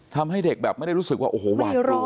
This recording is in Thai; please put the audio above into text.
ทำให้เด็กแบบไม่ได้รู้สึกว่าโอ้โหหวาดกลัว